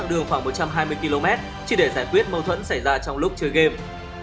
đường khoảng một trăm hai mươi km chỉ để giải quyết mâu thuẫn xảy ra trong lúc chơi game